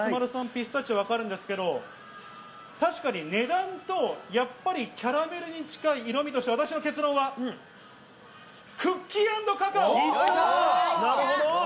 ピスタチオわかるんですけど、確かに値段と、やっぱりキャラメルに近い色みとして、私の結論はクッキー＆カカオ。